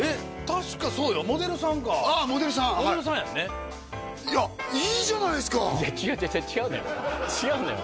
確かそうよモデルさんかああモデルさんモデルさんやんねいやいいじゃないですかいや違う違う違う違うのよ違うのよ